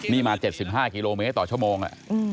นี่มา๗๕กิโลเมตรต่อชั่วโมง